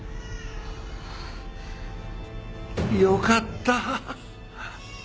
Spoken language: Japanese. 「」よかった。